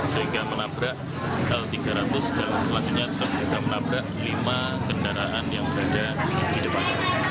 sehingga menabrak l tiga ratus dan selanjutnya ternyata menabrak lima kendaraan yang berada di depan